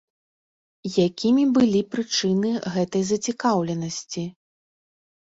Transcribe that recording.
Якімі былі прычыны гэтай зацікаўленасці?